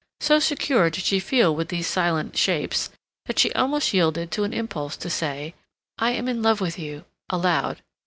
So secure did she feel with these silent shapes that she almost yielded to an impulse to say "I am in love with you" aloud.